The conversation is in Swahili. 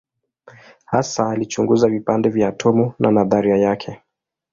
Hasa alichunguza vipande vya atomu na nadharia yake.